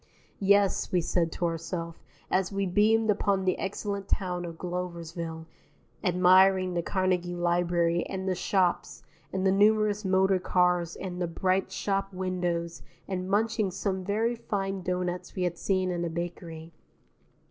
Yes, we said to ourself, as we beamed upon the excellent town of Gloversville, admiring the Carnegie Library and the shops and the numerous motor cars and the bright shop windows and munching some very fine doughnuts we had seen in a bakery.